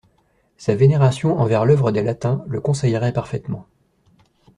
Sa vénération envers l'œuvre des Latins le conseillerait parfaitement.